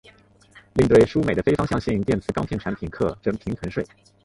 另对输美的非方向性电磁钢片产品课征平衡税。